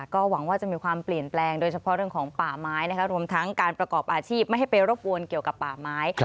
ก็หวังว่าจะมีความเปลี่ยนแปลงโดยเฉพาะเรื่องของป่าไม้รวมทั้งการประกอบอาชีพไม่ให้ไปรบกวนเกี่ยวกับป่าไม้